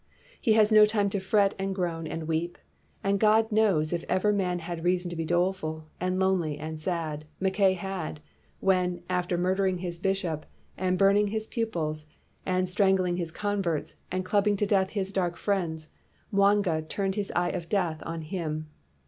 He has no time to fret and groan and weep, and God knows if ever man had reason to be doleful and lonely and sad, Mackay had, when, after murdering his 266 HE LAYS DOWN HIS TOOLS bishop, and burning his pupils, and strang ling his converts, and clubbing to death his dark friends, Mwanga turned his e} T e of death on him.